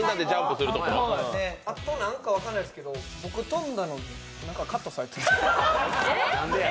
あとなんか分かんないですけど、僕、飛んだのがカットされてました。